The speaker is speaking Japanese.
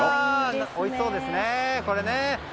おいしそうですね！